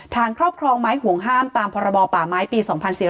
ถ้างครอบครองไม้ห่วงห้ามตามปปไม้ปี๒๔๘๔